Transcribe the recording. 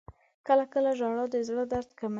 • کله کله ژړا د زړه درد کموي.